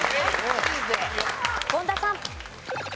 権田さん。